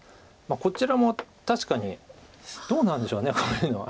こちらも確かにどうなんでしょうこういうのは。